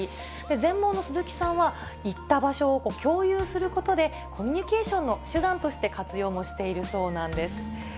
全盲の鈴木さんは、行った場所を共有することで、コミュニケーションの手段として活用もしているそうなんです。